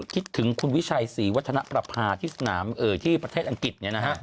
คิดถึงคุณวิชัยศรีวัฒนประพาที่สนามที่ประเทศอังกฤษ